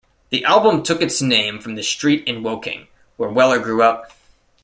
The album took its name from the street in Woking where Weller grew up.